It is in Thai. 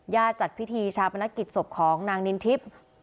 จัดพิธีชาปนกิจศพของนางนินทิพย์